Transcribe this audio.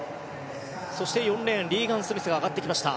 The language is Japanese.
そして、４レーンリーガン・スミスが上がってきた。